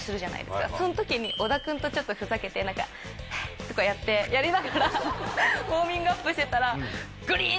そん時に織田君とちょっとふざけて何かヘッとかやってやりながらウオーミングアップしてたらグリン！